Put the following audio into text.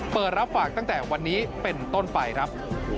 เปิดรับฝากตั้งแต่วันนี้เป็นต้นไปครับ